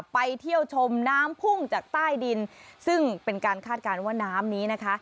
ไปเที่ยวชมน้ำพุ่งจากใต้ดินซึ่งเป็นการคาดการณ์ว่าน้ำนี้นะคะ